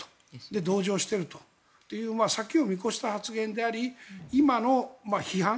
で、同情してるという先を見越した発言であり今の批判